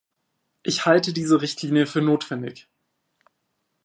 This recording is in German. Ich halte diese Richtlinie für notwendig.